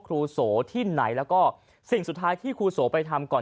ครูโสที่ไหนแล้วก็สิ่งสุดท้ายที่ครูโสไปทำก่อน